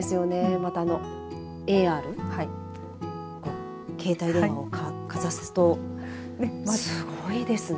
また、ＡＲ携帯電話をかざすとすごいですね。